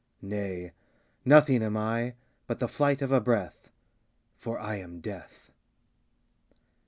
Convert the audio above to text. Nay; nothing am I, But the flight of a breath For I am Death!